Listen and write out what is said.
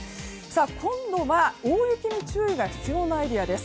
今度は大雪に注意が必要なエリアです。